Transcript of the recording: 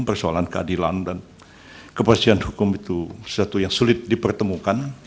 persoalan keadilan dan kepastian hukum itu sesuatu yang sulit dipertemukan